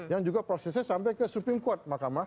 yang juga prosesnya sampai ke supreme court